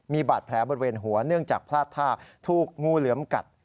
มีบาดแผลบริเวณหัวเนื่องจากพลาดท่าถูกงูเหลือมกัด